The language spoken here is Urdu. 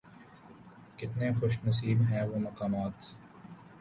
کتنے خوش نصیب ہیں وہ مقامات